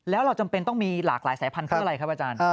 แล้วเราจำเป็นต้องมีหลากหลายสายพันธุ์เพื่ออะไรครับอาจารย์